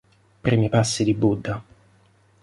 Primi passi di Buddha.